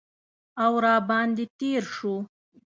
او را باندې تیر شو